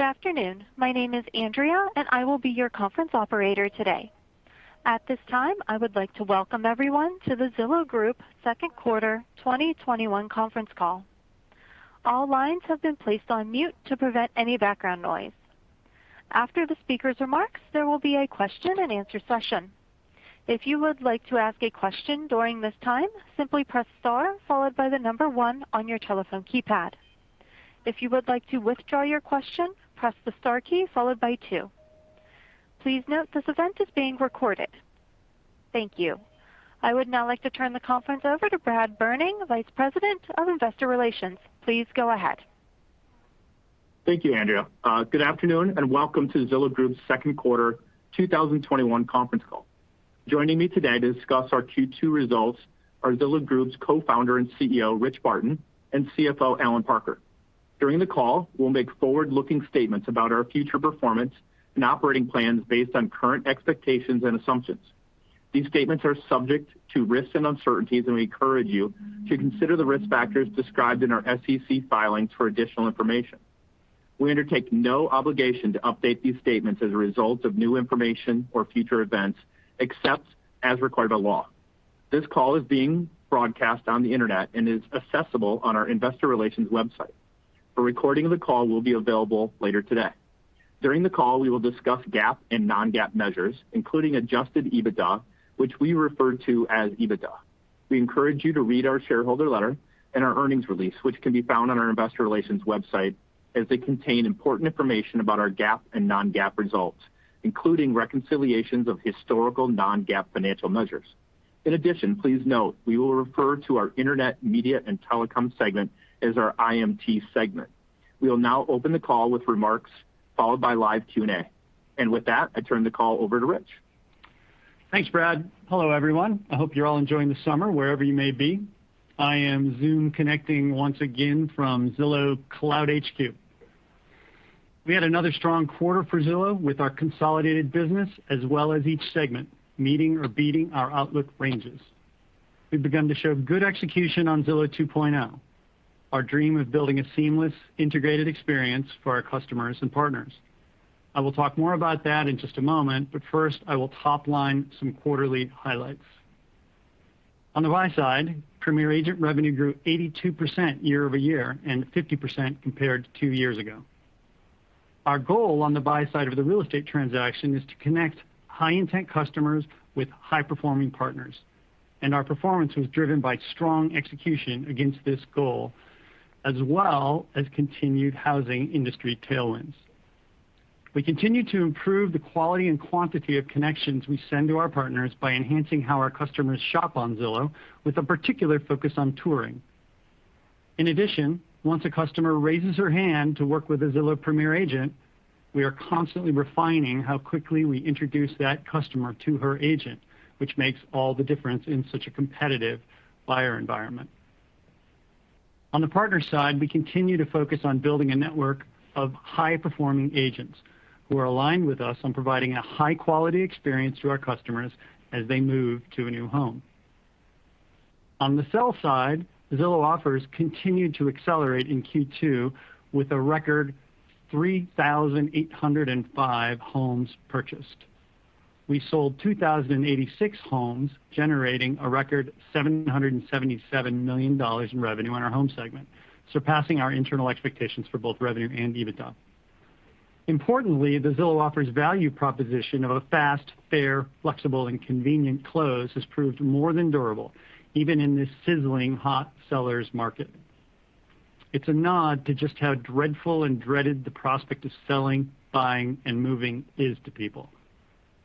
Good afternoon. My name is Andrea, and I will be your conference operator today. At this time, I would like to welcome everyone to the Zillow Group second quarter 2021 conference call. All lines have been placed on mute to prevent any background noise. After the speaker's remarks, there will be a question and answer session. If you would like to ask a question during this time, simply press star followed by the number one on your telephone keypad. If you would like to withdraw your question, press the star key followed by two. Please note this event is being recorded. Thank you. I would now like to turn the conference over to Brad Berning, Vice President of Investor Relations. Please go ahead. Thank you, Andrea. Good afternoon, and welcome to Zillow Group's second quarter 2021 conference call. Joining me today to discuss our Q2 results are Zillow Group's co-founder and CEO, Rich Barton, and CFO, Allen Parker. During the call, we'll make forward-looking statements about our future performance and operating plans based on current expectations and assumptions. These statements are subject to risks and uncertainties. We encourage you to consider the risk factors described in our SEC filings for additional information. We undertake no obligation to update these statements as a result of new information or future events, except as required by law. This call is being broadcast on the internet and is accessible on our investor relations website. A recording of the call will be available later today. During the call, we will discuss GAAP and non-GAAP measures, including Adjusted EBITDA, which we refer to as EBITDA. We encourage you to read our shareholder letter and our earnings release, which can be found on our investor relations website, as they contain important information about our GAAP and non-GAAP results, including reconciliations of historical non-GAAP financial measures. In addition, please note, we will refer to our internet, media, and telecom segment as our IMT segment. We will now open the call with remarks followed by live Q&A. With that, I turn the call over to Rich. Thanks, Brad. Hello, everyone. I hope you're all enjoying the summer wherever you may be. I am Zoom connecting once again from Zillow Cloud HQ. We had another strong quarter for Zillow with our consolidated business as well as each segment, meeting or beating our outlook ranges. We've begun to show good execution on Zillow 2.0, our dream of building a seamless, integrated experience for our customers and partners. I will talk more about that in just a moment, but first, I will top-line some quarterly highlights. On the buy side, Premier Agent revenue grew 82% year-over-year and 50% compared to two years ago. Our goal on the buy side of the real estate transaction is to connect high-intent customers with high-performing partners, and our performance was driven by strong execution against this goal, as well as continued housing industry tailwinds. We continue to improve the quality and quantity of connections we send to our partners by enhancing how our customers shop on Zillow with a particular focus on touring. In addition, once a customer raises her hand to work with a Zillow Premier Agent, we are constantly refining how quickly we introduce that customer to her agent, which makes all the difference in such a competitive buyer environment. On the partner side, we continue to focus on building a network of high-performing agents who are aligned with us on providing a high-quality experience to our customers as they move to a new home. On the sell side, Zillow Offers continued to accelerate in Q2 with a record 3,805 homes purchased. We sold 2,086 homes, generating a record $777 million in revenue on our home segment, surpassing our internal expectations for both revenue and EBITDA. Importantly, the Zillow Offers value proposition of a fast, fair, flexible, and convenient close has proved more than durable, even in this sizzling hot sellers market. It's a nod to just how dreadful and dreaded the prospect of selling, buying, and moving is to people.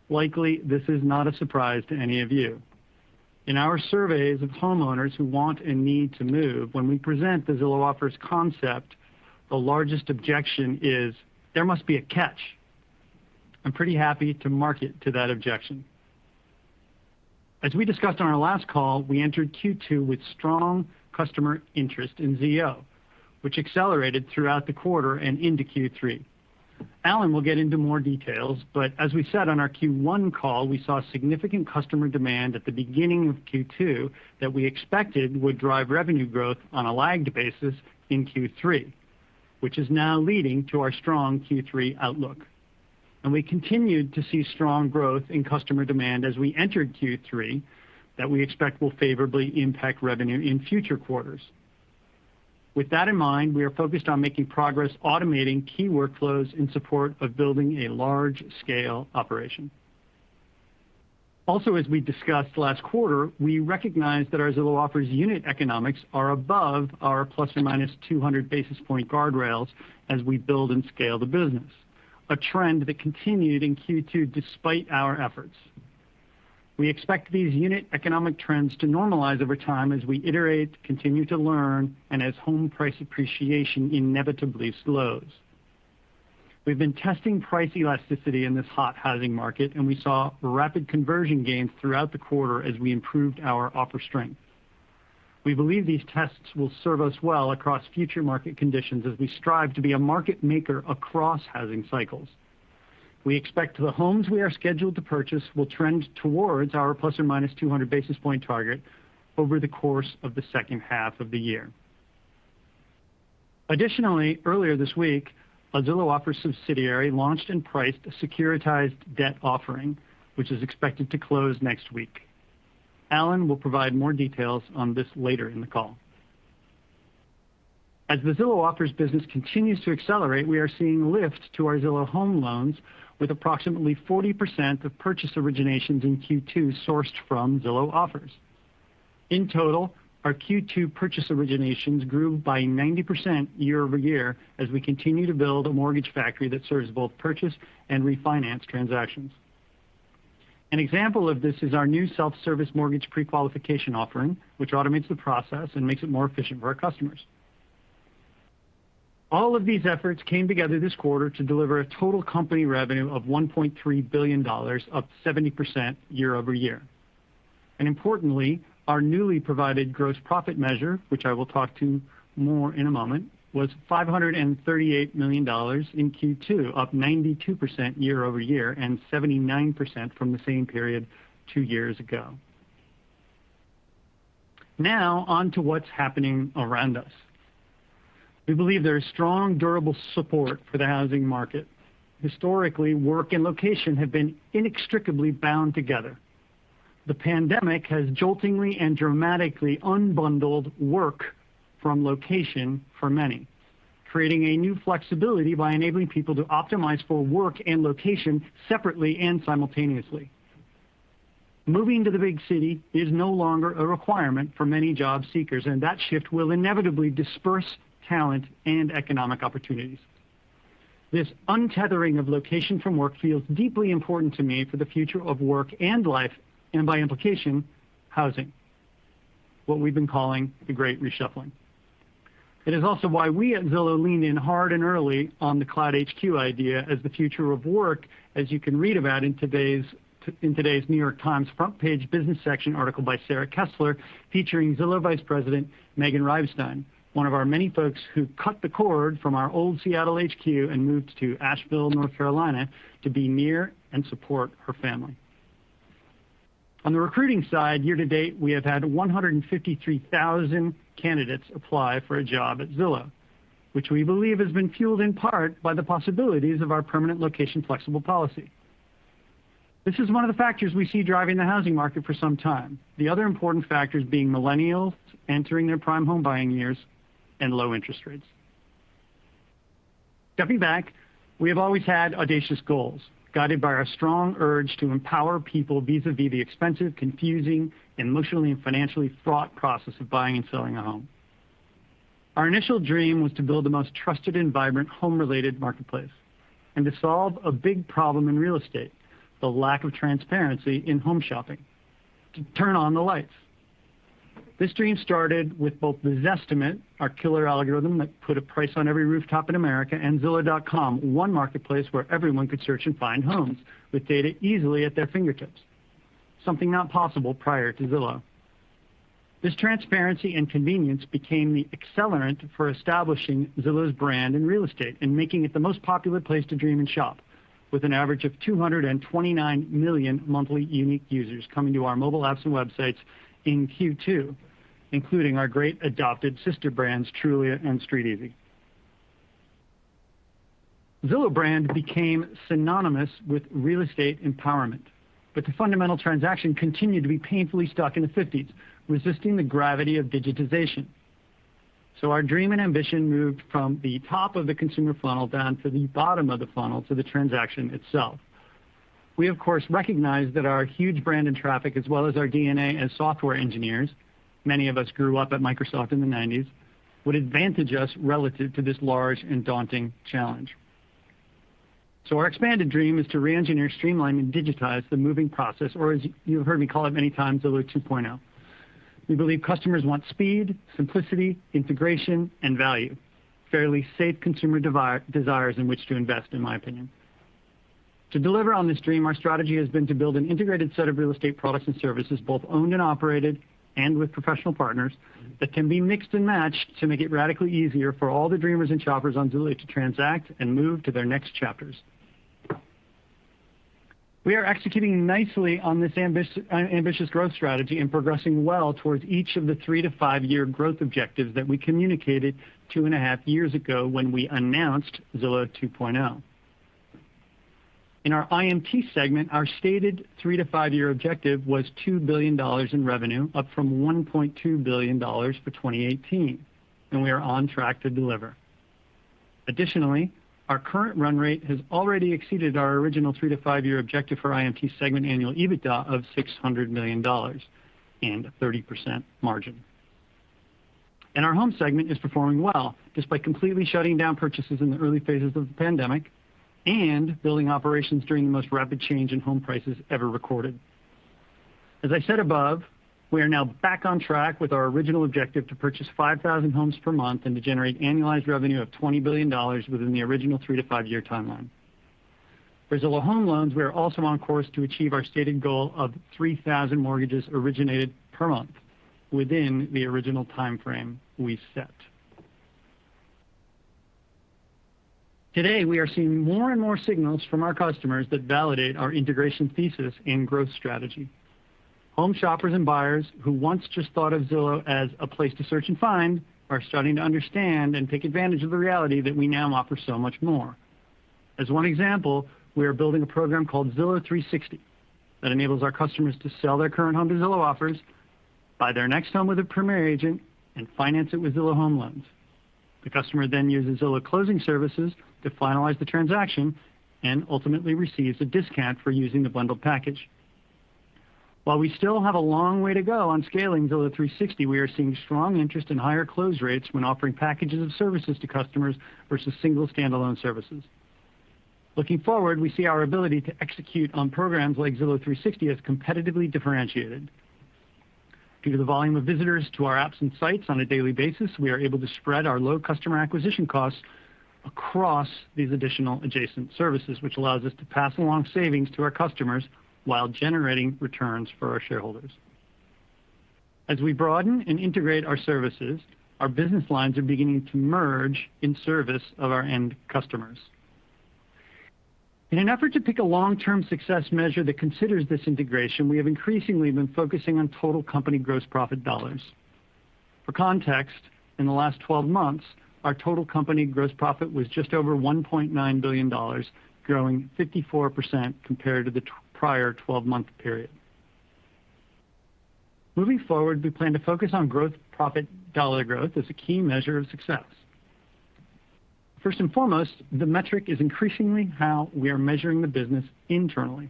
Likely, this is not a surprise to any of you. In our surveys of homeowners who want and need to move, when we present the Zillow Offers concept, the largest objection is, there must be a catch. I'm pretty happy to market to that objection. As we discussed on our last call, we entered Q2 with strong customer interest in ZO, which accelerated throughout the quarter and into Q3. Allen will get into more details, but as we said on our Q1 call, we saw significant customer demand at the beginning of Q2 that we expected would drive revenue growth on a lagged basis in Q3, which is now leading to our strong Q3 outlook. We continued to see strong growth in customer demand as we entered Q3 that we expect will favorably impact revenue in future quarters. With that in mind, we are focused on making progress automating key workflows in support of building a large-scale operation. Also, as we discussed last quarter, we recognized that our Zillow Offers unit economics are above our ±200 basis point guardrails as we build and scale the business, a trend that continued in Q2 despite our efforts. We expect these unit economic trends to normalize over time as we iterate, continue to learn, and as home price appreciation inevitably slows. We've been testing price elasticity in this hot housing market, and we saw rapid conversion gains throughout the quarter as we improved our offer strength. We believe these tests will serve us well across future market conditions as we strive to be a market maker across housing cycles. We expect the homes we are scheduled to purchase will trend towards our ±200 basis point target over the course of the second half of the year. Additionally, earlier this week, a Zillow Offers subsidiary launched and priced a securitized debt offering, which is expected to close next week. Allen will provide more details on this later in the call. As the Zillow Offers business continues to accelerate, we are seeing lift to our Zillow Home Loans with approximately 40% of purchase originations in Q2 sourced from Zillow Offers. In total, our Q2 purchase originations grew by 90% year-over-year as we continue to build a mortgage factory that serves both purchase and refinance transactions. An example of this is our new self-service mortgage pre-qualification offering, which automates the process and makes it more efficient for our customers. All of these efforts came together this quarter to deliver a total company revenue of $1.3 billion, up 70% year-over-year. Importantly, our newly provided gross profit measure, which I will talk to more in a moment, was $538 million in Q2, up 92% year-over-year and 79% from the same period two years ago. Now, on to what's happening around us. We believe there is strong, durable support for the housing market. Historically, work and location have been inextricably bound together. The pandemic has joltingly and dramatically unbundled work from location for many, creating a new flexibility by enabling people to optimize for work and location separately and simultaneously. Moving to the big city is no longer a requirement for many job seekers, and that shift will inevitably disperse talent and economic opportunities. This untethering of location from work feels deeply important to me for the future of work and life, and by implication, housing, what we've been calling The Great Reshuffling. It is also why we at Zillow lean in hard and early on the cloud HQ idea as the future of work, as you can read about in today's New York Times front page business section article by Sarah Kessler, featuring Zillow Vice President, Meghan Reibstein, one of our many folks who cut the cord from our old Seattle HQ and moved to Asheville, North Carolina, to be near and support her family. On the recruiting side, year-to-date, we have had 153,000 candidates apply for a job at Zillow, which we believe has been fueled in part by the possibilities of our permanent location flexible policy. This is one of the factors we see driving the housing market for some time. The other important factors being millennials entering their prime home buying years and low interest rates. Stepping back, we have always had audacious goals, guided by our strong urge to empower people vis-a-vis the expensive, confusing, emotionally and financially fraught process of buying and selling a home. Our initial dream was to build the most trusted and vibrant home-related marketplace, and to solve a big problem in real estate, the lack of transparency in home shopping. To turn on the lights. This dream started with both the Zestimate, our killer algorithm that put a price on every rooftop in America, and zillow.com, one marketplace where everyone could search and find homes with data easily at their fingertips. Something not possible prior to Zillow. This transparency and convenience became the accelerant for establishing Zillow's brand in real estate and making it the most popular place to dream and shop, with an average of 229 million monthly unique users coming to our mobile apps and websites in Q2, including our great adopted sister brands, Trulia and StreetEasy. Zillow brand became synonymous with real estate empowerment, the fundamental transaction continued to be painfully stuck in the 1950s, resisting the gravity of digitization. Our dream and ambition moved from the top of the consumer funnel down to the bottom of the funnel to the transaction itself. We, of course, recognized that our huge brand and traffic, as well as our DNA as software engineers, many of us grew up at Microsoft in the 1990s, would advantage us relative to this large and daunting challenge. Our expanded dream is to re-engineer, streamline, and digitize the moving process, or as you've heard me call it many times, Zillow 2.0. We believe customers want speed, simplicity, integration, and value. Fairly safe consumer desires in which to invest, in my opinion. To deliver on this dream, our strategy has been to build an integrated set of real estate products and services, both owned and operated, and with professional partners, that can be mixed and matched to make it radically easier for all the dreamers and shoppers on Zillow to transact and move to their next chapters. We are executing nicely on this ambitious growth strategy and progressing well towards each of the three-five-year growth objectives that we communicated two and a half years ago when we announced Zillow 2.0. In our IMT segment, our stated three to five-year objective was $2 billion in revenue, up from $1.2 billion for 2018, we are on track to deliver. Additionally, our current run rate has already exceeded our original three-five-year objective for IMT segment annual EBITDA of $600 million and a 30% margin. Our Homes segment is performing well, despite completely shutting down purchases in the early phases of the pandemic and building operations during the most rapid change in home prices ever recorded. As I said above, we are now back on track with our original objective to purchase 5,000 homes per month and to generate annualized revenue of $20 billion within the original three-five-year timeline. For Zillow Home Loans, we are also on course to achieve our stated goal of 3,000 mortgages originated per month within the original timeframe we set. Today, we are seeing more and more signals from our customers that validate our integration thesis and growth strategy. Home shoppers and buyers who once just thought of Zillow as a place to search and find are starting to understand and take advantage of the reality that we now offer so much more. As one example, we are building a program called Zillow 360 that enables our customers to sell their current home to Zillow Offers, buy their next home with a Premier Agent, and finance it with Zillow Home Loans. The customer then uses Zillow Closing Services to finalize the transaction and ultimately receives a discount for using the bundled package. While we still have a long way to go on scaling Zillow 360, we are seeing strong interest in higher close rates when offering packages of services to customers versus single standalone services. Looking forward, we see our ability to execute on programs like Zillow 360 as competitively differentiated. Due to the volume of visitors to our apps and sites on a daily basis, we are able to spread our low customer acquisition costs across these additional adjacent services, which allows us to pass along savings to our customers while generating returns for our shareholders. As we broaden and integrate our services, our business lines are beginning to merge in service of our end customers. In an effort to pick a long-term success measure that considers this integration, we have increasingly been focusing on total company gross profit dollars. For context, in the last 12 months, our total company gross profit was just over $1.9 billion, growing 54% compared to the prior 12-month period. Moving forward, we plan to focus on gross profit dollar growth as a key measure of success. First and foremost, the metric is increasingly how we are measuring the business internally.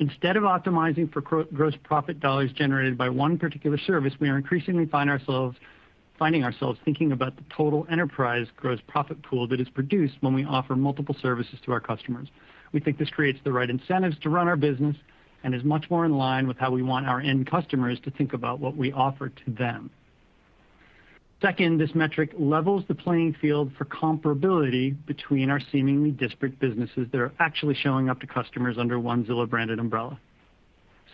Instead of optimizing for gross profit dollars generated by one particular service, we are increasingly finding ourselves thinking about the total enterprise gross profit pool that is produced when we offer multiple services to our customers. We think this creates the right incentives to run our business and is much more in line with how we want our end customers to think about what we offer to them. Second, this metric levels the playing field for comparability between our seemingly disparate businesses that are actually showing up to customers under one Zillow-branded umbrella.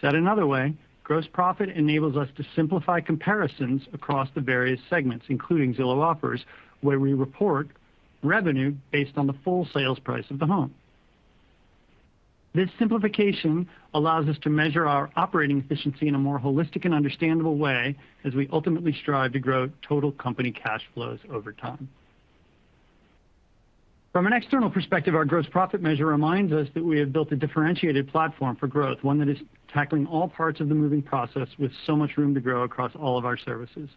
Said another way, gross profit enables us to simplify comparisons across the various segments, including Zillow Offers, where we report revenue based on the full sales price of the home. This simplification allows us to measure our operating efficiency in a more holistic and understandable way as we ultimately strive to grow total company cash flows over time. From an external perspective, our gross profit measure reminds us that we have built a differentiated platform for growth, one that is tackling all parts of the moving process with so much room to grow across all of our services.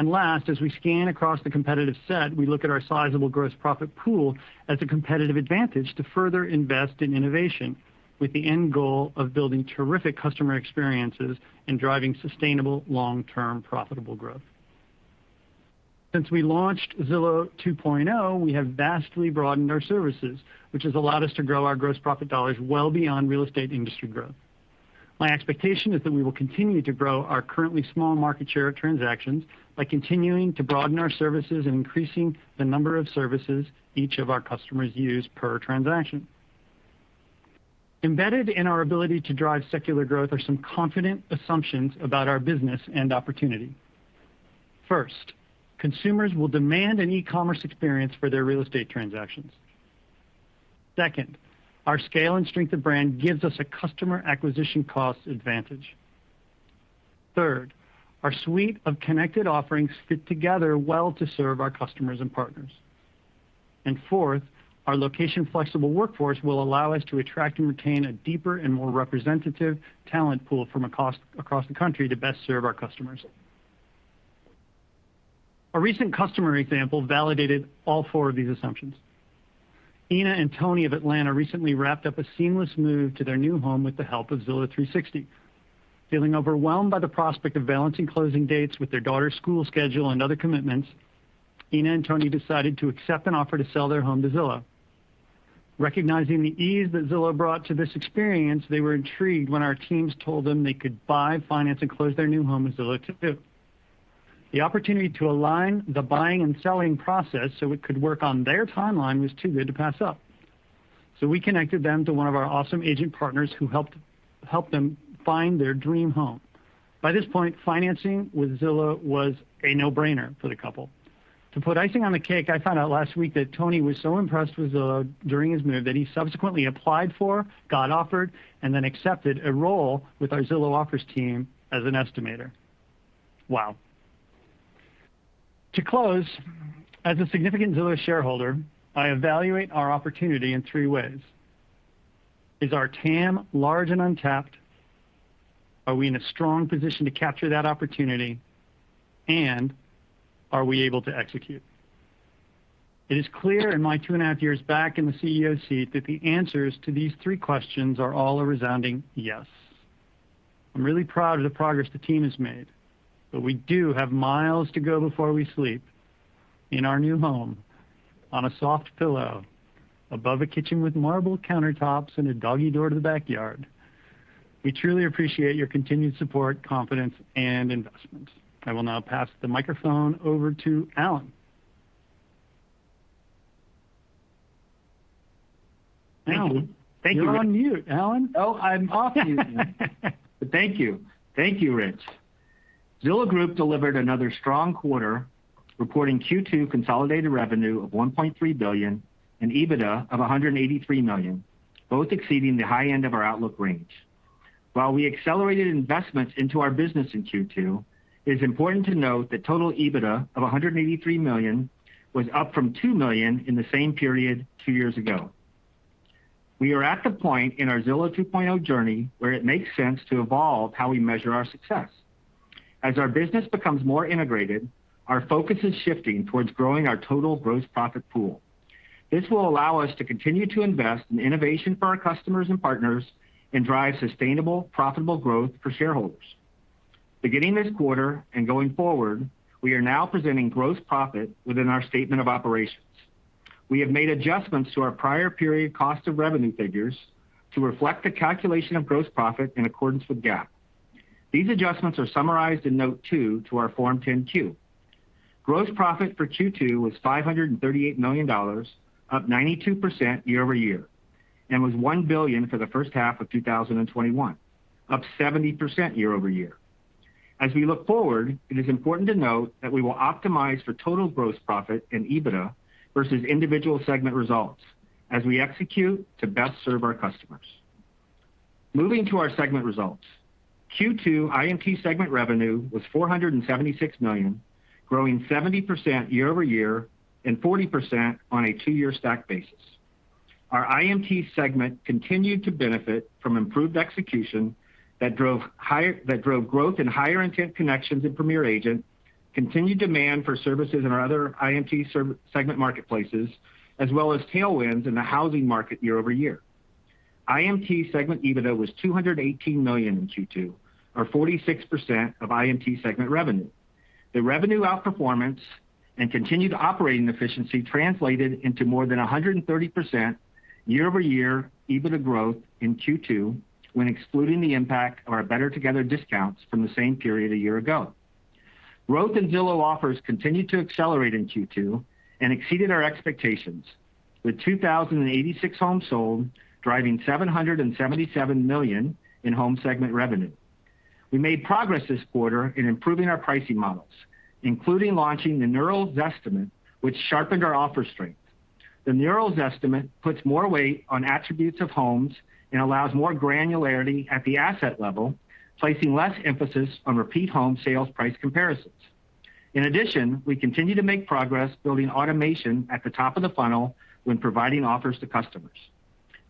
Last, as we scan across the competitive set, we look at our sizable gross profit pool as a competitive advantage to further invest in innovation with the end goal of building terrific customer experiences and driving sustainable long-term profitable growth. Since we launched Zillow 2.0, we have vastly broadened our services, which has allowed us to grow our gross profit dollars well beyond real estate industry growth. My expectation is that we will continue to grow our currently small market share of transactions by continuing to broaden our services and increasing the number of services each of our customers use per transaction. Embedded in our ability to drive secular growth are some confident assumptions about our business and opportunity. First, consumers will demand an e-commerce experience for their real estate transactions. Second, our scale and strength of brand gives us a customer acquisition cost advantage. Third, our suite of connected offerings fit together well to serve our customers and partners. Fourth, our location-flexible workforce will allow us to attract and retain a deeper and more representative talent pool from across the country to best serve our customers. A recent customer example validated all four of these assumptions. Ina and Tony of Atlanta recently wrapped up a seamless move to their new home with the help of Zillow 360. Feeling overwhelmed by the prospect of balancing closing dates with their daughter's school schedule and other commitments, Ina and Tony decided to accept an offer to sell their home to Zillow. Recognizing the ease that Zillow brought to this experience, they were intrigued when our teams told them they could buy, finance, and close their new home with Zillow, too. The opportunity to align the buying and selling process so it could work on their timeline was too good to pass up. We connected them to one of our awesome agent partners who helped them find their dream home. By this point, financing with Zillow was a no-brainer for the couple. To put icing on the cake, I found out last week that Tony was so impressed with Zillow during his move that he subsequently applied for, got offered, and then accepted a role with our Zillow Offers team as an estimator. Wow. To close, as a significant Zillow shareholder, I evaluate our opportunity in three ways. Is our TAM large and untapped? Are we in a strong position to capture that opportunity? Are we able to execute? It is clear in my two and a half years back in the CEO seat that the answers to these three questions are all a resounding yes. I'm really proud of the progress the team has made, but we do have miles to go before we sleep in our new home, on a soft pillow, above a kitchen with marble countertops and a doggy door to the backyard. We truly appreciate your continued support, confidence, and investment. I will now pass the microphone over to Allen. Thank you. You're on mute, Allen. I'm off mute now. Thank you. Thank you, Rich. Zillow Group delivered another strong quarter, reporting Q2 consolidated revenue of $1.3 billion and EBITDA of $183 million, both exceeding the high end of our outlook range. While we accelerated investments into our business in Q2, it is important to note that total EBITDA of $183 million was up from $2 million in the same period two years ago. We are at the point in our Zillow 2.0 journey where it makes sense to evolve how we measure our success. As our business becomes more integrated, our focus is shifting towards growing our total gross profit pool. This will allow us to continue to invest in innovation for our customers and partners, and drive sustainable, profitable growth for shareholders. Beginning this quarter and going forward, we are now presenting gross profit within our statement of operations. We have made adjustments to our prior period cost of revenue figures to reflect the calculation of gross profit in accordance with GAAP. These adjustments are summarized in Note 2 to our Form 10-Q. Gross profit for Q2 was $538 million, up 92% year-over-year, and was $1 billion for the first half of 2021, up 70% year-over-year. As we look forward, it is important to note that we will optimize for total gross profit and EBITDA versus individual segment results as we execute to best serve our customers. Moving to our segment results. Q2 IMT segment revenue was $476 million, growing 70% year-over-year and 40% on a two-year stack basis. Our IMT segment continued to benefit from improved execution that drove growth in higher intent connections in Premier Agent, continued demand for services in our other IMT segment marketplaces, as well as tailwinds in the housing market year-over-year. IMT segment EBITDA was $218 million in Q2, or 46% of IMT segment revenue. The revenue outperformance and continued operating efficiency translated into more than 130% year-over-year EBITDA growth in Q2 when excluding the impact of our Better Together discounts from the same period a year ago. Growth in Zillow Offers continued to accelerate in Q2 and exceeded our expectations, with 2,086 homes sold, driving $777 million in Home segment revenue. We made progress this quarter in improving our pricing models, including launching the Neural Zestimate, which sharpened our offer strength. The Neural Zestimate puts more weight on attributes of homes and allows more granularity at the asset level, placing less emphasis on repeat home sales price comparisons. In addition, we continue to make progress building automation at the top of the funnel when providing offers to customers.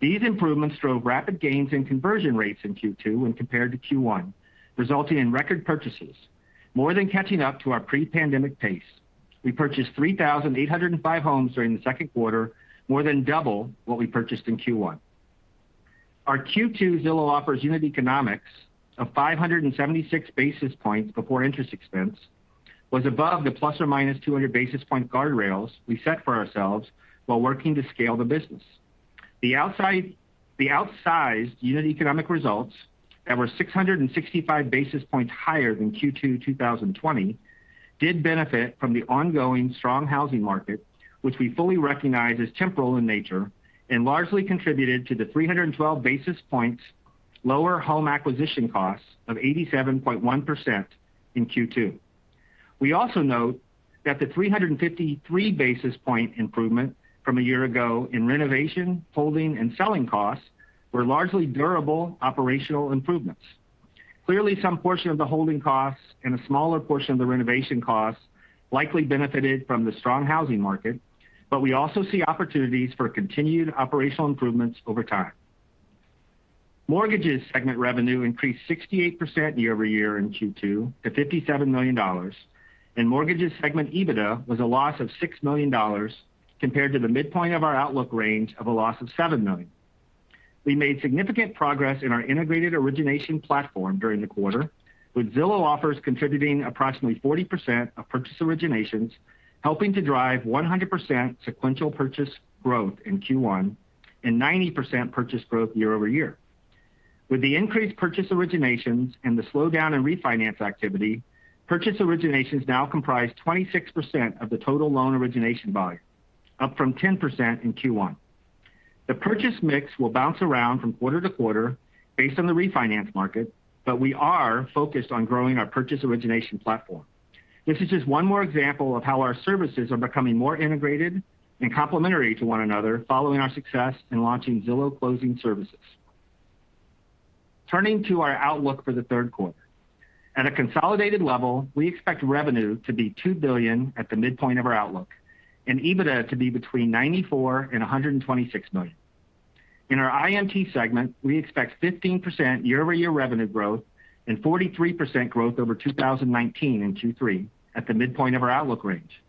These improvements drove rapid gains in conversion rates in Q2 when compared to Q1, resulting in record purchases, more than catching up to our pre-pandemic pace. We purchased 3,805 homes during the second quarter, more than double what we purchased in Q1. Our Q2 Zillow Offers unit economics of 576 basis points before interest expense was above the ±200 basis point guardrails we set for ourselves while working to scale the business. The outsized unit economic results that were 665 basis points higher than Q2 2020 did benefit from the ongoing strong housing market, which we fully recognize as temporal in nature and largely contributed to the 312 basis points lower home acquisition costs of 87.1% in Q2. We also note that the 353 basis point improvement from a year ago in renovation, holding, and selling costs were largely durable operational improvements. Clearly, some portion of the holding costs and a smaller portion of the renovation costs likely benefited from the strong housing market, but we also see opportunities for continued operational improvements over time. Mortgages segment revenue increased 68% year-over-year in Q2 to $57 million, and Mortgages segment EBITDA was a loss of $6 million compared to the midpoint of our outlook range of a loss of $7 million. We made significant progress in our integrated origination platform during the quarter, with Zillow Offers contributing approximately 40% of purchase originations, helping to drive 100% sequential purchase growth in Q1 and 90% purchase growth year-over-year. With the increased purchase originations and the slowdown in refinance activity, purchase originations now comprise 26% of the total loan origination volume, up from 10% in Q1. The purchase mix will bounce around from quarter-to-quarter based on the refinance market, but we are focused on growing our purchase origination platform. This is just one more example of how our services are becoming more integrated and complementary to one another following our success in launching Zillow Closing Services. Turning to our outlook for the third quarter. At a consolidated level, we expect revenue to be $2 billion at the midpoint of our outlook, and EBITDA to be between $94 million and $126 million. In our IMT segment, we expect 15% year-over-year revenue growth and 43% growth over 2019 in Q3 at the midpoint of our outlook range.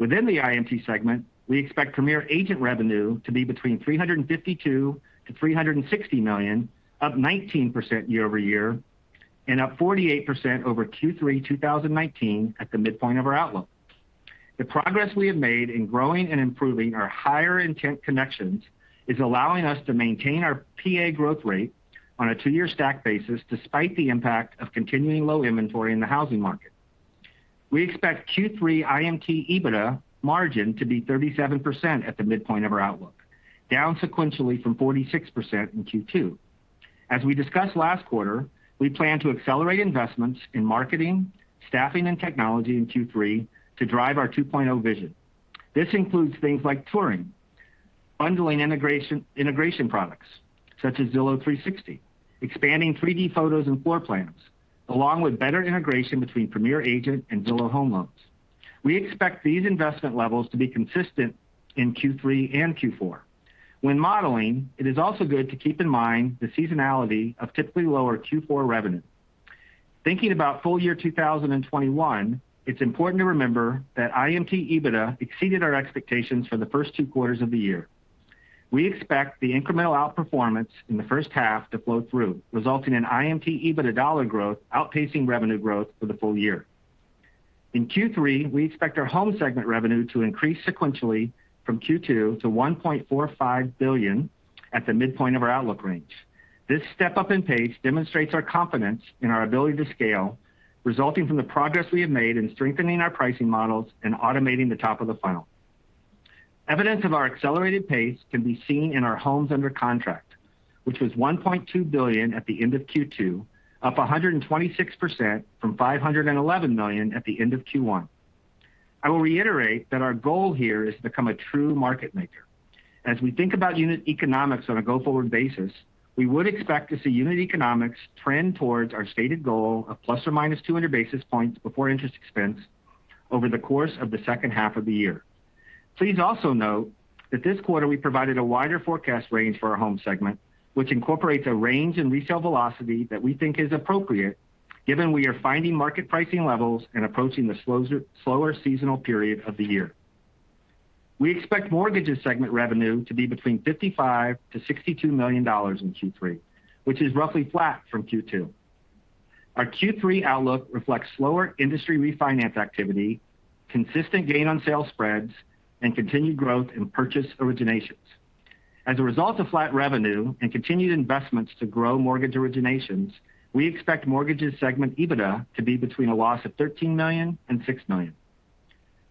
Within the IMT segment, we expect Premier Agent revenue to be between $352 million-$360 million, up 19% year-over-year, and up 48% over Q3 2019 at the midpoint of our outlook. The progress we have made in growing and improving our higher intent connections is allowing us to maintain our PA growth rate on a two-year stack basis, despite the impact of continuing low inventory in the housing market. We expect Q3 IMT EBITDA margin to be 37% at the midpoint of our outlook, down sequentially from 46% in Q2. As we discussed last quarter, we plan to accelerate investments in marketing, staffing, and technology in Q3 to drive our 2.0 vision. This includes things like touring, bundling integration products such as Zillow 360, expanding 3D photos and floor plans, along with better integration between Premier Agent and Zillow Home Loans. We expect these investment levels to be consistent in Q3 and Q4. When modeling, it is also good to keep in mind the seasonality of typically lower Q4 revenue. Thinking about full year 2021, it's important to remember that IMT EBITDA exceeded our expectations for the first two quarters of the year. We expect the incremental outperformance in the first half to flow through, resulting in IMT EBITDA dollar growth outpacing revenue growth for the full year. In Q3, we expect our Home segment revenue to increase sequentially from Q2 to $1.45 billion at the midpoint of our outlook range. This step-up in pace demonstrates our confidence in our ability to scale, resulting from the progress we have made in strengthening our pricing models and automating the top of the funnel. Evidence of our accelerated pace can be seen in our homes under contract, which was $1.2 billion at the end of Q2, up 126% from $511 million at the end of Q1. I will reiterate that our goal here is to become a true market maker. As we think about unit economics on a go-forward basis, we would expect to see unit economics trend towards our stated goal of ±200 basis points before interest expense over the course of the second half of the year. Please also note that this quarter we provided a wider forecast range for our Homes segment, which incorporates a range in resale velocity that we think is appropriate given we are finding market pricing levels and approaching the slower seasonal period of the year. We expect Mortgages segment revenue to be between $55 million-$62 million in Q3, which is roughly flat from Q2. Our Q3 outlook reflects slower industry refinance activity, consistent gain on sale spreads, and continued growth in purchase originations. As a result of flat revenue and continued investments to grow mortgage originations, we expect Mortgages segment EBITDA to be between a loss of $13 million and $6 million.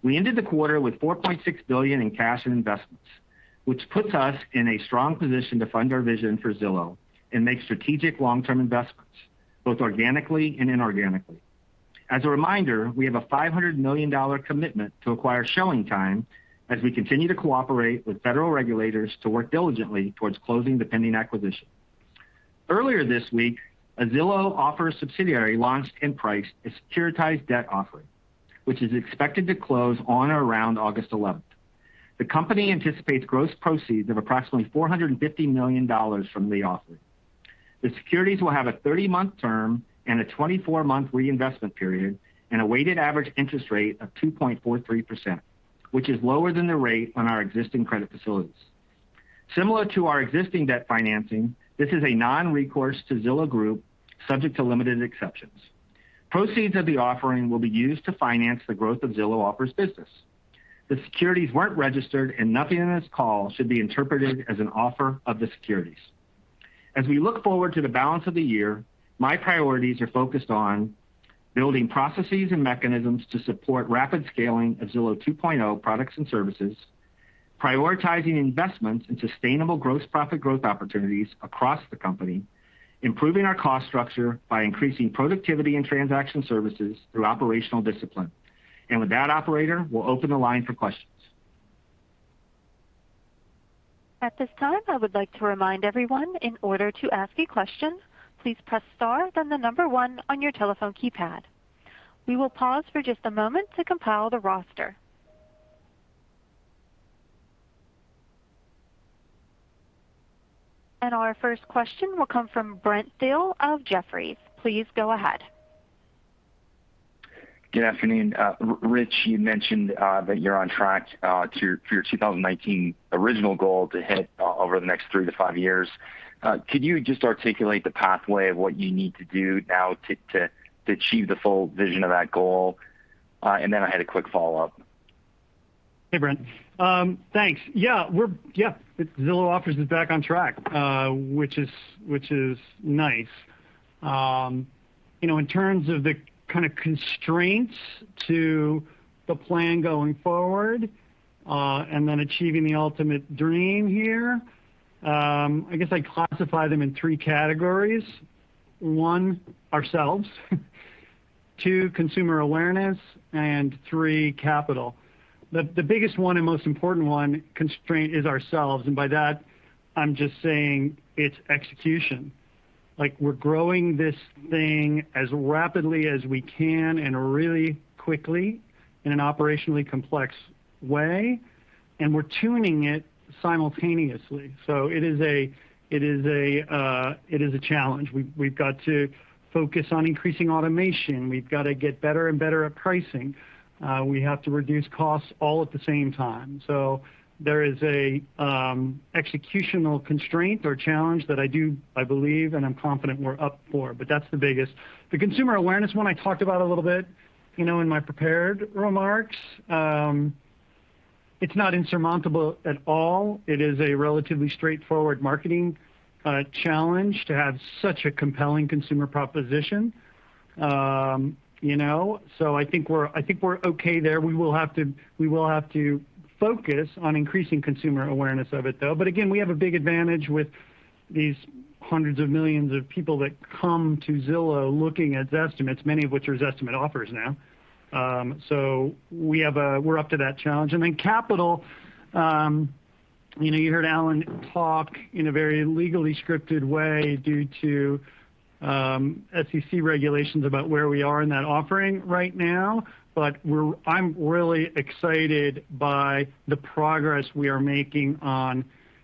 We ended the quarter with $4.6 billion in cash and investments, which puts us in a strong position to fund our vision for Zillow and make strategic long-term investments both organically and inorganically. As a reminder, we have a $500 million commitment to acquire ShowingTime as we continue to cooperate with federal regulators to work diligently towards closing the pending acquisition. Earlier this week, a Zillow Offers subsidiary launched and priced a securitized debt offering, which is expected to close on or around August 11th. The company anticipates gross proceeds of approximately $450 million from the offering. The securities will have a 30-month term and a 24-month reinvestment period, and a weighted average interest rate of 2.43%, which is lower than the rate on our existing credit facilities. Similar to our existing debt financing, this is a non-recourse to Zillow Group, subject to limited exceptions. Proceeds of the offering will be used to finance the growth of Zillow Offers business. Nothing in this call should be interpreted as an offer of the securities. As we look forward to the balance of the year, my priorities are focused on building processes and mechanisms to support rapid scaling of Zillow 2.0 products and services, prioritizing investments in sustainable gross profit growth opportunities across the company, improving our cost structure by increasing productivity and transaction services through operational discipline. With that, operator, we'll open the line for questions. At this time, I would like to remind everyone, in order to ask a question, please press star then the one on your telephone keypad. We will pause for just a moment to compile the roster. Our first question will come from Brent Thill of Jefferies. Please go ahead. Good afternoon. Rich, you mentioned that you're on track to your 2019 original goal to hit over the next three to five years. Could you just articulate the pathway of what you need to do now to achieve the full vision of that goal? Then I had a quick follow-up. Hey, Brent. Thanks. Yeah. Zillow Offers is back on track, which is nice. In terms of the kind of constraints to the plan going forward, and then achieving the ultimate dream here, I guess I'd classify them in three categories. One, ourselves. Two, consumer awareness, and three, capital. The biggest one and most important one, constraint, is ourselves. By that, I'm just saying it's execution. We're growing this thing as rapidly as we can and really quickly in an operationally complex way, and we're tuning it simultaneously. It is a challenge. We've got to focus on increasing automation. We've got to get better and better at pricing. We have to reduce costs all at the same time. There is a executional constraint or challenge that I do, I believe, and I'm confident we're up for, that's the biggest. The consumer awareness one I talked about a little bit in my prepared remarks. It's not insurmountable at all. It is a relatively straightforward marketing challenge to have such a compelling consumer proposition. I think we're okay there. We will have to focus on increasing consumer awareness of it, though. Again, we have a big advantage with these hundreds of millions of people that come to Zillow looking at Zestimates, many of which are Zestimate offers now. We're up to that challenge. Capital, you heard Allen talk in a very legally scripted way due to SEC regulations about where we are in that offering right now. I'm really excited by the progress we are making on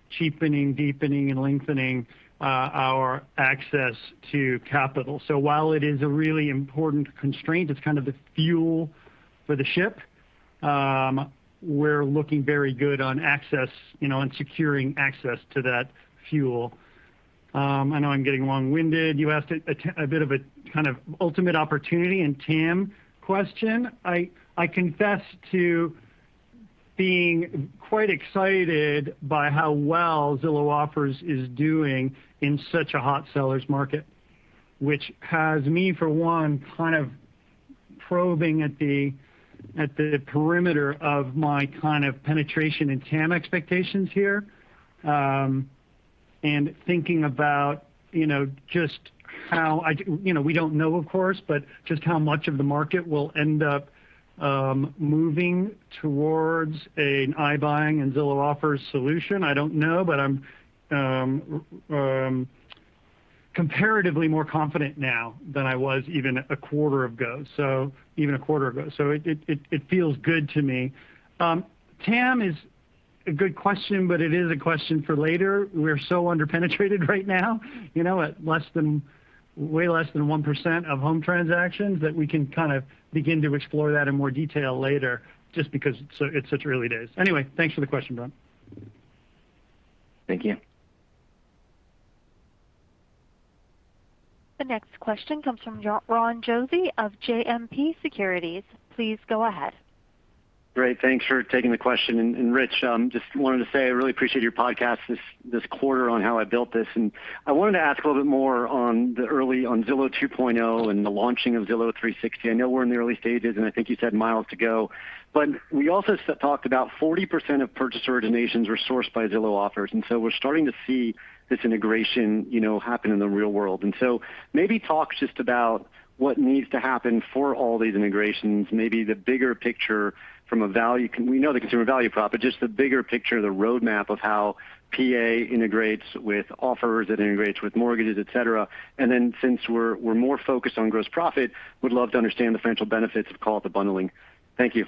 cheapening, deepening, and lengthening our access to capital. While it is a really important constraint, it's kind of the fuel for the ship. We're looking very good on access and securing access to that fuel. I know I'm getting long-winded. You asked a bit of a kind of ultimate opportunity and TAM question. I confess to being quite excited by how well Zillow Offers is doing in such a hot sellers market, which has me, for one, kind of probing at the perimeter of my kind of penetration and TAM expectations here, and thinking about We don't know, of course, but just how much of the market will end up moving towards an iBuying and Zillow Offers solution. I don't know, but I'm comparatively more confident now than I was even a quarter ago. It feels good to me. TAM is a good question, but it is a question for later. We're so under-penetrated right now, at way less than 1% of home transactions, that we can kind of begin to explore that in more detail later just because it's such early days. Thanks for the question, Brent. Thank you. The next question comes from Ron Josey of JMP Securities. Please go ahead. Great. Thanks for taking the question. Rich Barton, just wanted to say I really appreciate your podcast this quarter on How I Built This. I wanted to ask a little bit more on Zillow 2.0 and the launching of Zillow 360. I know we're in the early stages, and I think you said miles to go. We also talked about 40% of purchase originations were sourced by Zillow Offers, and so we're starting to see this integration happen in the real world. Maybe talk just about what needs to happen for all these integrations, maybe the bigger picture. We know the consumer value prop, but just the bigger picture, the roadmap of how PA integrates with Offers, it integrates with mortgages, et cetera. Since we're more focused on gross profit, would love to understand the financial benefits of call it the bundling. Thank you.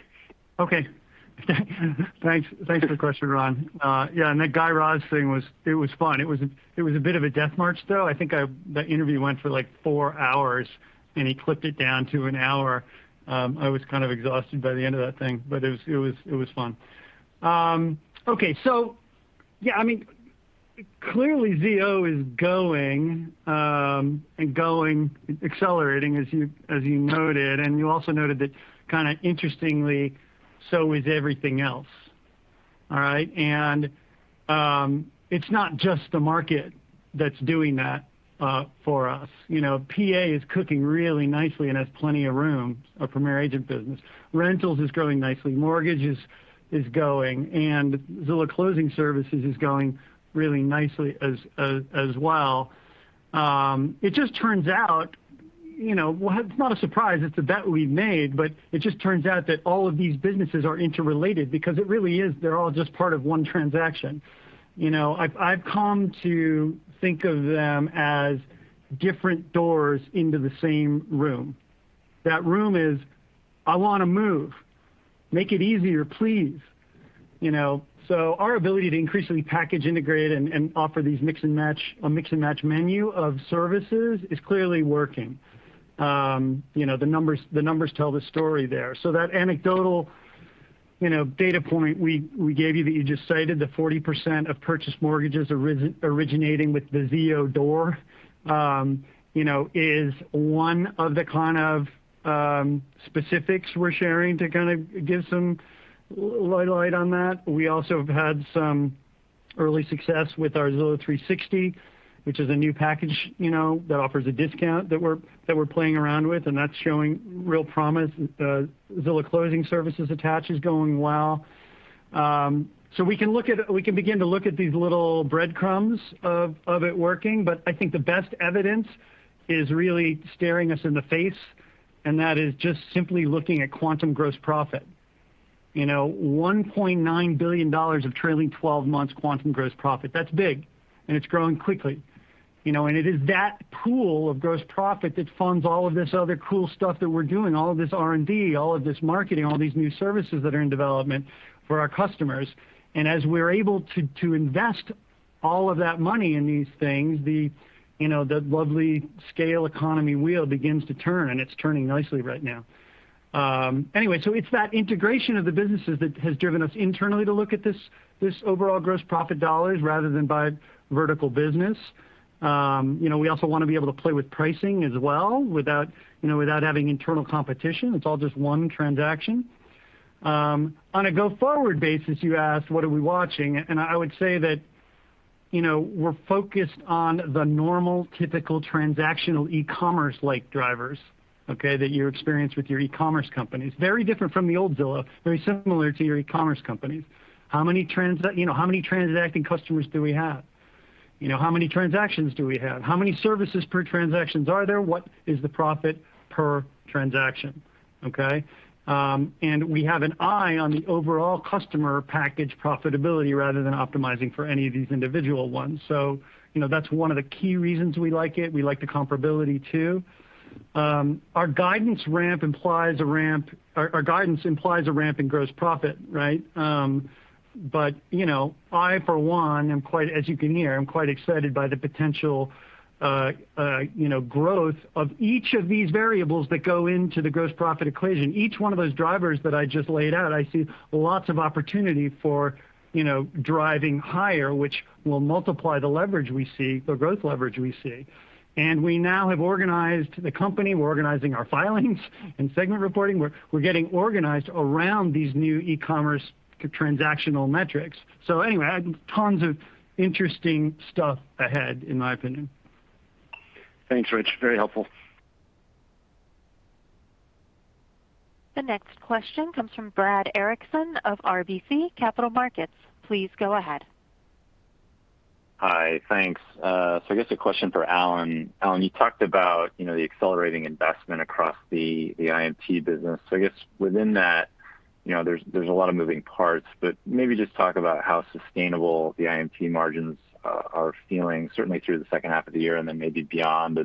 Okay. Thanks for the question, Ron. Yeah, that Guy Raz thing it was fun. It was a bit of a death march, though. I think that interview went for four hours, he clipped it down to an hour. I was kind of exhausted by the end of that thing, it was fun. Okay. Yeah, clearly ZO is going and accelerating, as you noted, you also noted that kind of interestingly, so is everything else. All right. It's not just the market that's doing that for us. PA is cooking really nicely and has plenty of room, our Premier Agent business. Rentals is growing nicely. Mortgages is going, Zillow Closing Services is going really nicely as well. It just turns out, well, it's not a surprise, it's a bet we made, but it just turns out that all of these businesses are interrelated because it really is, they're all just part of one transaction. I've come to think of them as different doors into the same room. That room is, I want to move. Make it easier, please. Our ability to increasingly package, integrate, and offer these mix and match menu of services is clearly working. The numbers tell the story there. That anecdotal data point we gave you that you just cited, the 40% of purchase mortgages originating with the ZO door is one of the kind of specifics we're sharing to kind of give some light on that. We also have had some early success with our Zillow 360, which is a new package that offers a discount that we're playing around with, and that's showing real promise. Zillow Closing Services attach is going well. We can begin to look at these little breadcrumbs of it working, but I think the best evidence is really staring us in the face, and that is just simply looking at segment gross profit. $1.9 billion of trailing 12 months segment gross profit, that's big, and it's growing quickly. It is that pool of gross profit that funds all of this other cool stuff that we're doing, all of this R&D, all of this marketing, all these new services that are in development for our customers. As we're able to invest all of that money in these things, the lovely scale economy wheel begins to turn, and it's turning nicely right now. It's that integration of the businesses that has driven us internally to look at this overall gross profit dollars rather than by vertical business. We also want to be able to play with pricing as well without having internal competition. It's all just one transaction. On a go-forward basis, you asked what are we watching. I would say that we're focused on the normal, typical transactional e-commerce-like drivers, okay? That you experience with your e-commerce companies. Very different from the old Zillow, very similar to your e-commerce companies. How many transacting customers do we have? How many transactions do we have? How many services per transactions are there? What is the profit per transaction, okay? We have an eye on the overall customer package profitability rather than optimizing for any of these individual ones. That's one of the key reasons we like it. We like the comparability too. Our guidance implies a ramp in gross profit, right? I, for one, as you can hear, I'm quite excited by the potential growth of each of these variables that go into the gross profit equation. Each one of those drivers that I just laid out, I see lots of opportunity for driving higher, which will multiply the growth leverage we see. We now have organized the company, we're organizing our filings and segment reporting. We're getting organized around these new e-commerce transactional metrics. Anyway, tons of interesting stuff ahead, in my opinion. Thanks, Rich. Very helpful. The next question comes from Brad Erickson of RBC Capital Markets. Please go ahead. Hi. Thanks. I guess a question for Allen. Allen, you talked about the accelerating investment across the IMT business. I guess within that, there's a lot of moving parts, but maybe just talk about how sustainable the IMT margins are feeling, certainly through the second half of the year and then maybe beyond.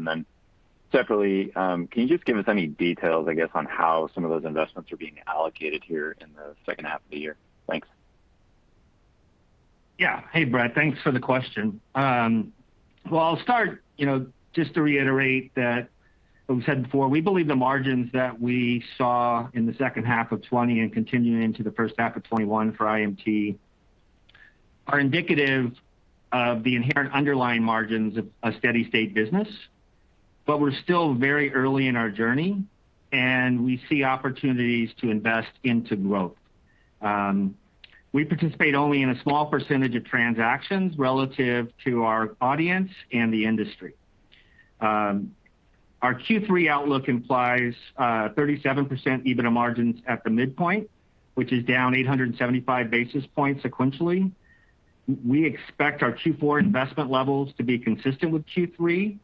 Separately, can you just give us any details, I guess, on how some of those investments are being allocated here in the second half of the year? Thanks. Hey, Brad, thanks for the question. Well, I'll start, just to reiterate what we said before, we believe the margins that we saw in the second half of 2020 and continuing into the first half of 2021 for IMT are indicative of the inherent underlying margins of a steady state business, but we're still very early in our journey, and we see opportunities to invest into growth. We participate only in a small percentage of transactions relative to our audience and the industry. Our Q3 outlook implies 37% EBITDA margins at the midpoint, which is down 875 basis points sequentially. We expect our Q4 investment levels to be consistent with Q3,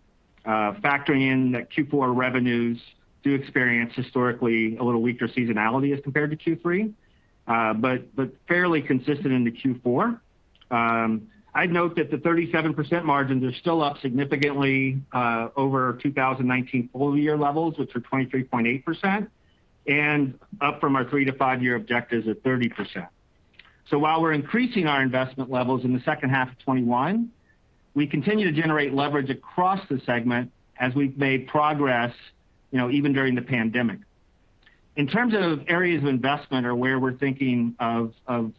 factoring in that Q4 revenues do experience historically a little weaker seasonality as compared to Q3, but fairly consistent into Q4. I'd note that the 37% margins are still up significantly over 2019 full year levels, which are 23.8%, and up from our three-five year objectives of 30%. While we're increasing our investment levels in the second half of 2021, we continue to generate leverage across the segment as we've made progress even during the pandemic. In terms of areas of investment or where we're thinking of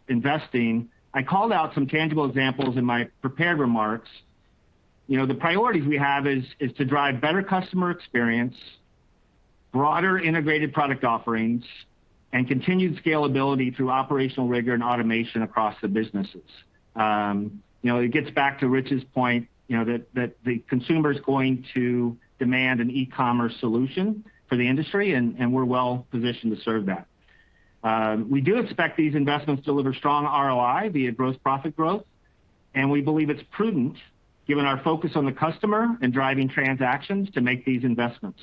investing, I called out some tangible examples in my prepared remarks. The priorities we have is to drive better customer experience, broader integrated product offerings, and continued scalability through operational rigor and automation across the businesses. It gets back to Rich's point, that the consumer's going to demand an e-commerce solution for the industry, and we're well-positioned to serve that. We do expect these investments deliver strong ROI via gross profit growth, and we believe it's prudent given our focus on the customer and driving transactions to make these investments.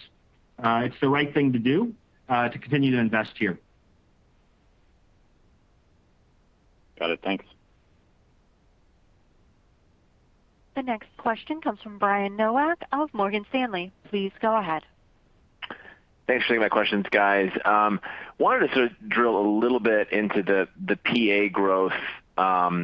It's the right thing to do to continue to invest here. Got it. Thanks. The next question comes from Brian Nowak of Morgan Stanley. Please go ahead. Thanks for taking my questions, guys. Wanted to sort of drill a little bit into the PA growth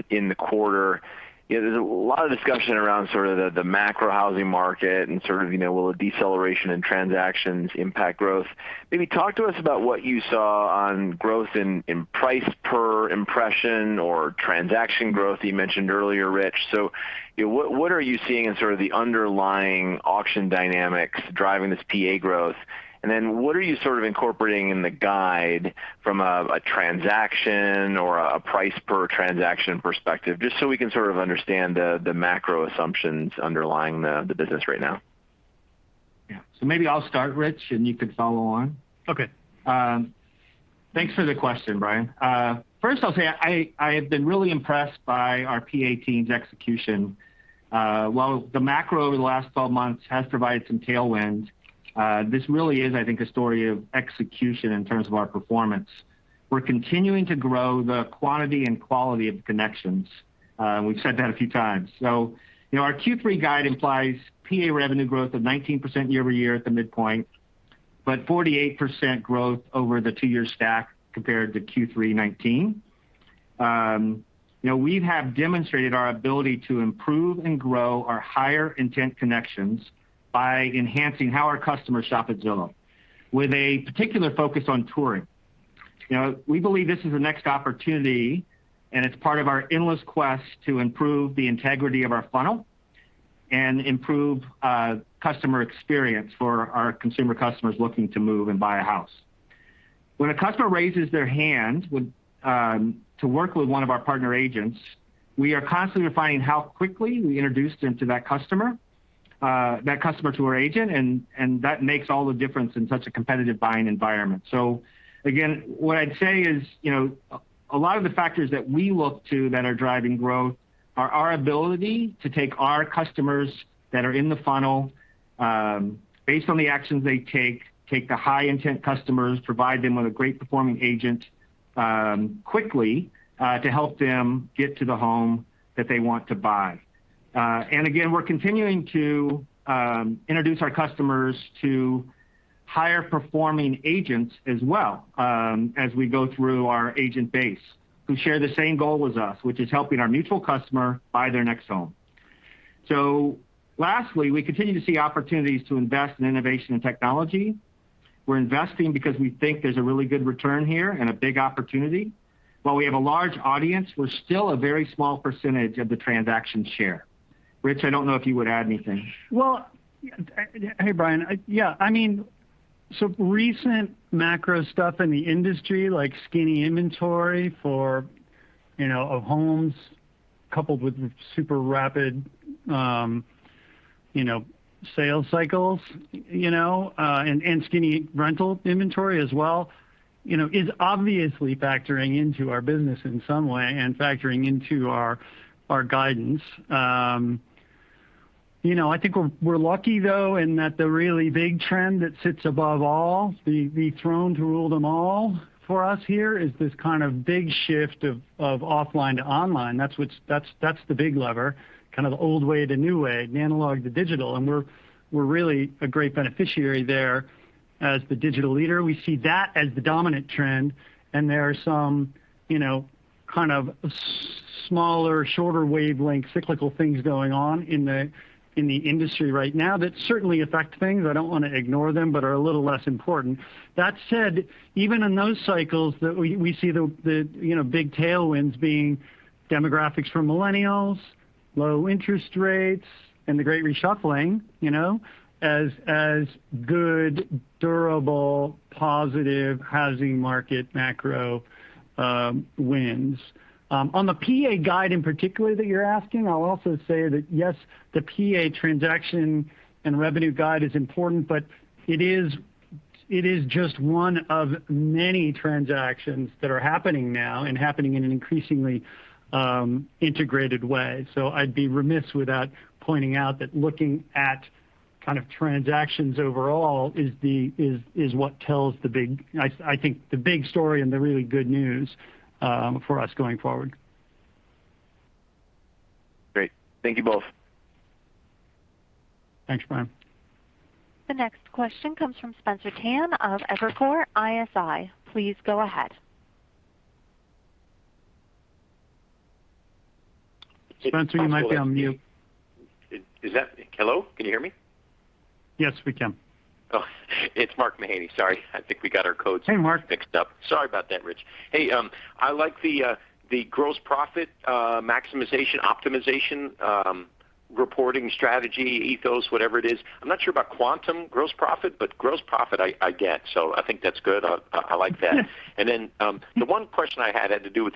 in the quarter. There's a lot of discussion around sort of the macro housing market and sort of will a deceleration in transactions impact growth. Maybe talk to us about what you saw on growth in price per impression or transaction growth you mentioned earlier, Rich. What are you seeing in sort of the underlying auction dynamics driving this PA growth? What are you sort of incorporating in the guide from a transaction or a price per transaction perspective, just so we can sort of understand the macro assumptions underlying the business right now? Yeah. Maybe I'll start, Rich, and you can follow on. Okay. Thanks for the question, Brian. First I'll say I have been really impressed by our PA team's execution. While the macro over the last 12 months has provided some tailwind, this really is, I think, a story of execution in terms of our performance. We're continuing to grow the quantity and quality of connections. We've said that a few times. Our Q3 guide implies PA revenue growth of 19% year-over-year at the midpoint, but 48% growth over the two-year stack compared to Q3 2019. We have demonstrated our ability to improve and grow our higher intent connections by enhancing how our customers shop at Zillow, with a particular focus on touring. We believe this is the next opportunity, and it's part of our endless quest to improve the integrity of our funnel and improve customer experience for our consumer customers looking to move and buy a house. When a customer raises their hand to work with one of our partner agents, we are constantly refining how quickly we introduce that customer to our agent, and that makes all the difference in such a competitive buying environment. Again, what I'd say is, a lot of the factors that we look to that are driving growth are our ability to take our customers that are in the funnel, based on the actions they take. Take the high-intent customers, provide them with a great-performing agent quickly to help them get to the home that they want to buy. Again, we're continuing to introduce our customers to higher-performing agents as well, as we go through our agent base who share the same goal as us, which is helping our mutual customer buy their next home. Lastly, we continue to see opportunities to invest in innovation and technology. We're investing because we think there's a really good return here and a big opportunity. While we have a large audience, we're still a very small percentage of the transaction share. Rich, I don't know if you would add anything. Well, hey, Brian. Yeah. Recent macro stuff in the industry, like skinny inventory of homes, coupled with super rapid sales cycles, and skinny rental inventory as well, is obviously factoring into our business in some way and factoring into our guidance. I think we're lucky, though, in that the really big trend that sits above all, the throne to rule them all for us here is this kind of big shift of offline to online. That's the big lever, kind of the old way to new way, the analog to digital, and we're really a great beneficiary there as the digital leader. We see that as the dominant trend. There are some kind of smaller, shorter wavelength cyclical things going on in the industry right now that certainly affect things, I don't want to ignore them, but are a little less important. That said, even in those cycles, we see the big tailwinds being demographics from millennials, low interest rates, and The Great Reshuffling as good, durable, positive housing market macro winds. On the PA guide in particular that you're asking, I'll also say that, yes, the PA transaction and revenue guide is important, but it is just one of many transactions that are happening now and happening in an increasingly integrated way. I'd be remiss without pointing out that looking at transactions overall is what tells, I think, the big story and the really good news for us going forward. Great. Thank you both. Thanks, Brian. The next question comes from Spencer Tan of Evercore ISI. Please go ahead. Spencer, you might be on mute. Hello? Can you hear me? Yes, we can. Oh, it's Mark Mahaney. Sorry. I think we got our codes- Hey, Mark.... mixed up. Sorry about that, Rich. I like the gross profit maximization optimization reporting strategy ethos, whatever it is. I'm not sure about segment gross profit, but gross profit I get. I think that's good. I like that. The one question I had to do with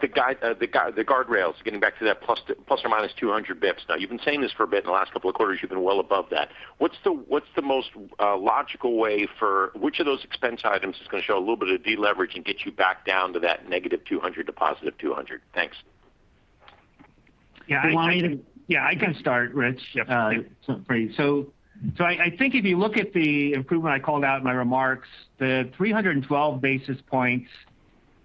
the guardrails, getting back to that ±200 basis points. Now, you've been saying this for a bit. In the last couple of quarters, you've been well above that. What's the most logical way for which of those expense items is going to show a little bit of deleverage and get you back down to that -200 to +200? Thanks. Yeah. Do you want me to- Yeah, I can start, Rich. Yeah. I think if you look at the improvement I called out in my remarks, the 312 basis points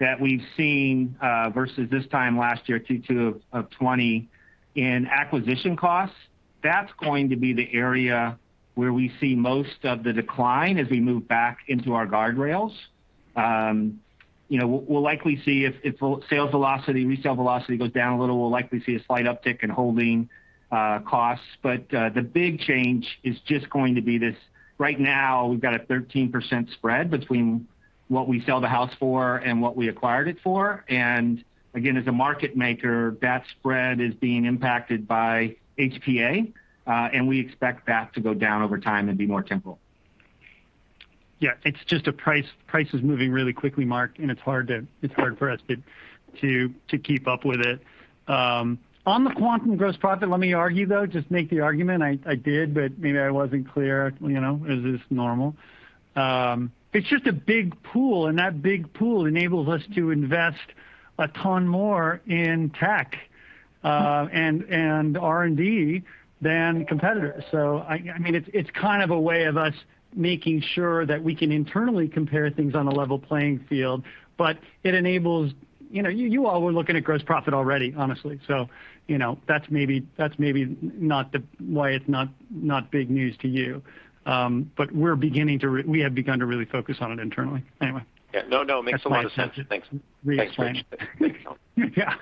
that we've seen versus this time last year, Q2 of 2020, in acquisition costs, that's going to be the area where we see most of the decline as we move back into our guardrails. We'll likely see if resale velocity goes down a little, we'll likely see a slight uptick in holding costs. The big change is just going to be this. Right now, we've got a 13% spread between what we sell the house for and what we acquired it for. Again, as a market maker, that spread is being impacted by HPA, and we expect that to go down over time and be more temporal. Yeah, it's just price is moving really quickly, Mark, and it's hard for us to keep up with it. On the segment gross profit, let me argue, though, just make the argument. I did, but maybe I wasn't clear. As is normal. It's just a big pool, and that big pool enables us to invest a ton more in tech and R&D than competitors. It's kind of a way of us making sure that we can internally compare things on a level playing field. You all were looking at gross profit already, honestly. That's maybe why it's not big news to you. We have begun to really focus on it internally. Anyway. Yeah. No, no. Makes a lot of sense. Thanks. Thanks, Brian. Thanks, Rich. Yeah.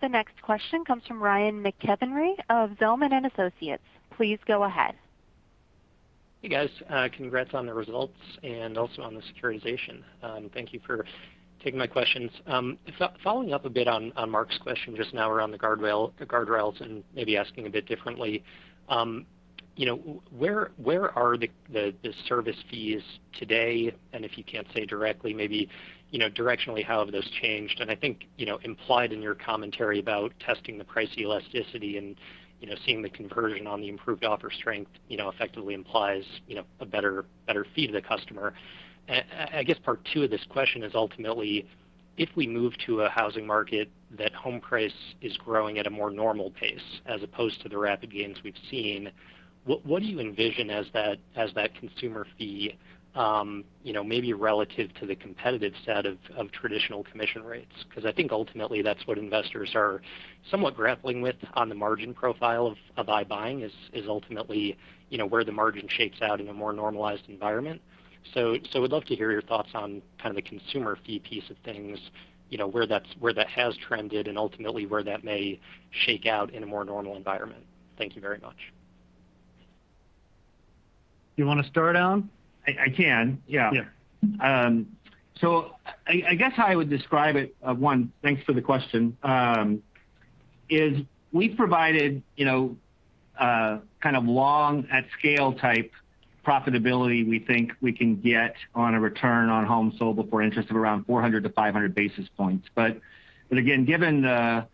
The next question comes from Ryan McKeveny of Zelman & Associates. Please go ahead. Hey, guys. Congrats on the results and also on the securitization. Thank you for taking my questions. Following up a bit on Mark's question just now around the guardrails and maybe asking a bit differently. Where are the service fees today? If you can't say directly, maybe directionally, how have those changed? I think, implied in your commentary about testing the price elasticity and seeing the conversion on the improved offer strength, effectively implies a better fee to the customer. I guess part two of this question is ultimately if we move to a housing market, that home price is growing at a more normal pace as opposed to the rapid gains we've seen. What do you envision as that consumer fee maybe relative to the competitive set of traditional commission rates? Because I think ultimately that's what investors are somewhat grappling with on the margin profile of iBuying is ultimately where the margin shakes out in a more normalized environment. I would love to hear your thoughts on kind of the consumer fee piece of things, where that has trended and ultimately where that may shake out in a more normal environment. Thank you very much. You want to start, Allen? I can. Yeah. I guess how I would describe it, one, thanks for the question, is we've provided kind of long at scale type profitability we think we can get on a return on home sold before interest of around 400-500 basis points. Again, given the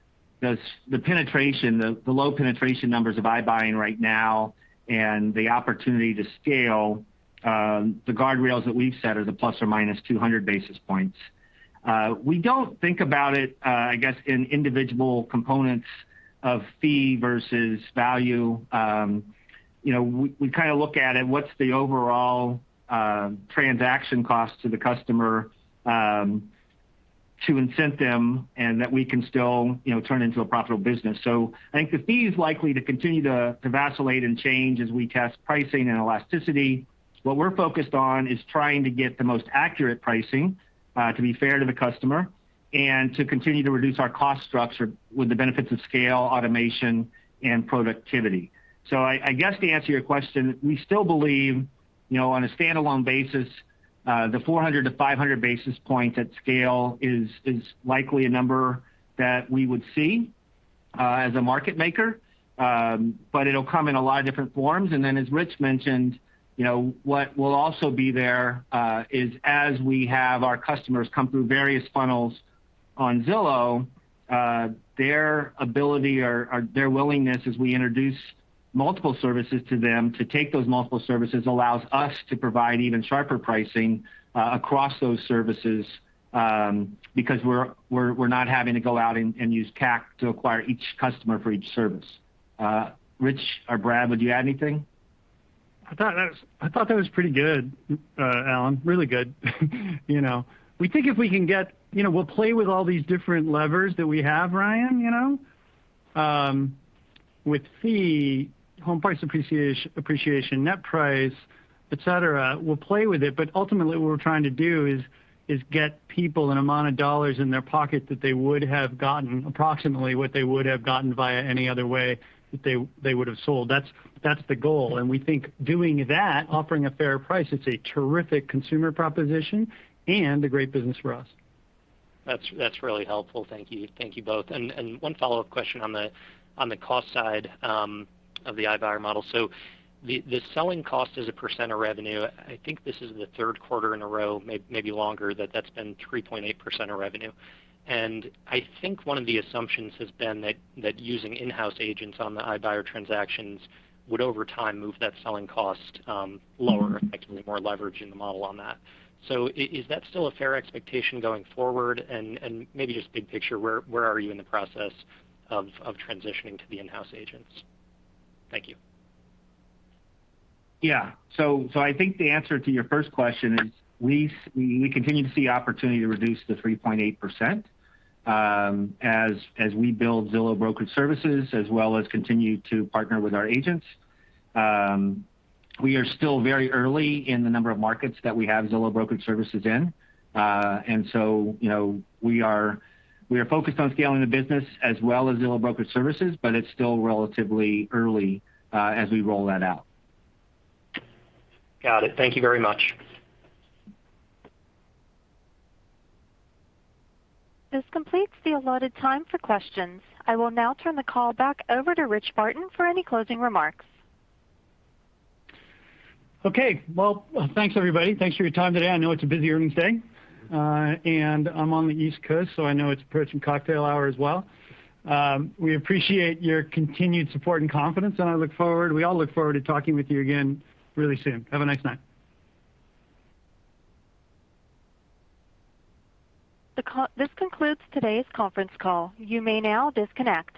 low penetration numbers of iBuying right now and the opportunity to scale, the guardrails that we've set are the ±200 basis points. We don't think about it, I guess, in individual components of fee versus value. We look at it, what's the overall transaction cost to the customer to incent them and that we can still turn into a profitable business. I think the fee is likely to continue to vacillate and change as we test pricing and elasticity. What we're focused on is trying to get the most accurate pricing to be fair to the customer and to continue to reduce our cost structure with the benefits of scale, automation, and productivity. I guess to answer your question, we still believe on a standalone basis the 400-500 basis points at scale is likely a number that we would see as a market maker. It'll come in a lot of different forms. Then as Rich mentioned, what will also be there is as we have our customers come through various funnels on Zillow, their ability or their willingness as we introduce multiple services to them to take those multiple services allows us to provide even sharper pricing across those services because we're not having to go out and use CAC to acquire each customer for each service. Rich or Brad, would you add anything? I thought that was pretty good, Allen. Really good. We'll play with all these different levers that we have, Ryan. With fee, home price appreciation, net price, et cetera, we'll play with it, but ultimately what we're trying to do is get people an amount of dollars in their pocket that they would have gotten approximately what they would have gotten via any other way that they would've sold. That's the goal. We think doing that, offering a fair price, it's a terrific consumer proposition and a great business for us. That's really helpful. Thank you both. One follow-up question on the cost side of the iBuyer model. The selling cost as a percent of revenue, I think this is the third quarter in a row, maybe longer, that's been 3.8% of revenue. I think one of the assumptions has been that using in-house agents on the iBuyer transactions would over time move that selling cost lower, effectively more leverage in the model on that. Is that still a fair expectation going forward? Maybe just big picture, where are you in the process of transitioning to the in-house agents? Thank you. Yeah. I think the answer to your first question is we continue to see opportunity to reduce to 3.8% as we build Zillow Brokerage Services as well as continue to partner with our agents. We are still very early in the number of markets that we have Zillow Brokerage Services in. We are focused on scaling the business as well as Zillow Brokerage Services, but it's still relatively early as we roll that out. Got it. Thank you very much. This completes the allotted time for questions. I will now turn the call back over to Rich Barton for any closing remarks. Okay. Well, thanks everybody. Thanks for your time today. I know it's a busy earnings day. I'm on the East Coast, so I know it's approaching cocktail hour as well. We appreciate your continued support and confidence, and we all look forward to talking with you again really soon. Have a nice night. This concludes today's conference call. You may now disconnect.